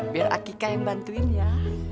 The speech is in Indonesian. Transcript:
biar akika yang bantuin ya